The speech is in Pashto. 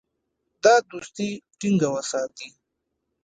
دا دوستي ټینګه وساتي.